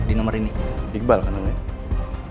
di nomor ini iqbal kan namanya